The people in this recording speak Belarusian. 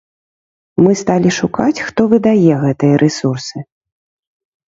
Мы сталі шукаць, хто выдае гэтыя рэсурсы.